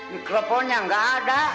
mikrofonnya nggak ada